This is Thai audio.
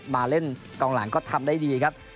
มาเล่นกองหลังก็ทำได้ดีครับ